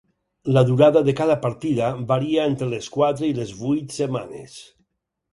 La durada de cada partida varia entre les quatre i les vuit setmanes.